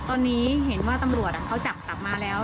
ตอนนี้เห็นว่าตำรวจเขาจับกลับมาแล้ว